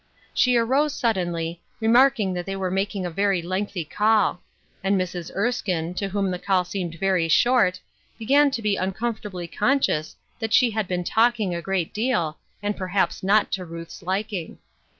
She arose suddenly, remarking that they were making a very lengthy call ; and Mrs. Erskine, to whom the call seemed very short, began to be uncomfortably conscious that she had been talking a great deal, and per haps not to Ruth's liking.